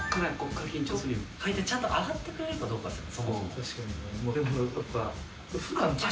階段をちゃんと上がってくれるかどうかよ。